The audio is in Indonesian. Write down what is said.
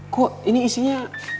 kok ini isinya